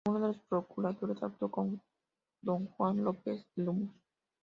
Como uno de los procuradores, actuó don Juan López de Lemus.